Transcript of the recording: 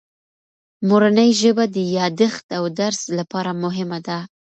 مورنۍ ژبه د یادښت او درس لپاره مهمه ده.